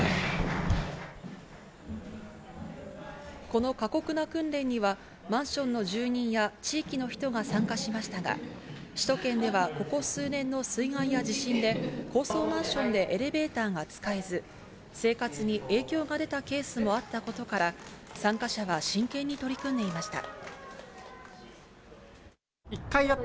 この過酷な訓練にはマンションの住人や地域の人が参加しましたが、首都圏ではここ数年の水害や地震で高層マンションでエレベーターが使えず、生活に影響が出たケースもあったことから、参加者は真剣に取り組んでいました。